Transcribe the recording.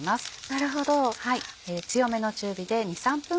なるほど。